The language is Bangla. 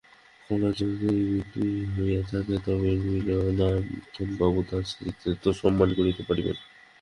কমলার যদি মৃত্যুই হইয়া থাকে, তবে নলিনাক্ষবাবু তাঁহার স্মৃতিকে তো সম্মান করিতে পারিবেন।